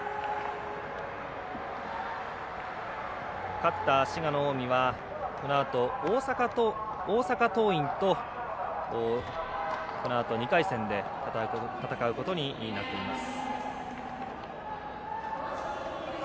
勝った滋賀の近江は大阪桐蔭とこのあと２回戦で戦うことになります。